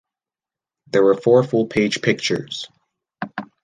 There were four full page pictures.